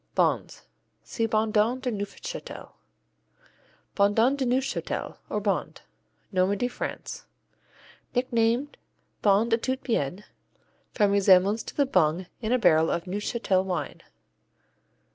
Bondes see Bondon de Neufchâtel. Bondon de Neufchâtel, or Bondes Normandy, France Nicknamed Bonde à tout bien, from resemblance to the bung in a barrel of Neuchâtel wine.